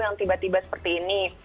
yang tiba tiba seperti ini